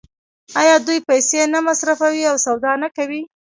آیا دوی پیسې نه مصرفوي او سودا نه کوي؟